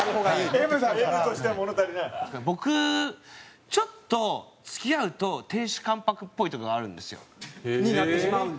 僕ちょっと付き合うと亭主関白っぽいとこがあるんですよ。になってしまうんだ。